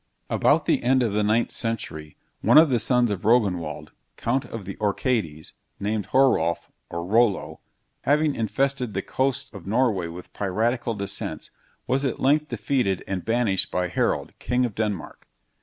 About the end of the 9th century, one of the sons of Rognwald, count of the Orcades, named Horolf, or Rollo, having infested the coasts of Norway with piratical descents, was at length defeated and banished by Harold, king of Denmark.